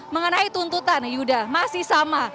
mengenai tuntutan yuda masih sama